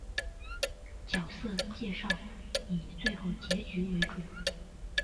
角色介绍以最后结局为准。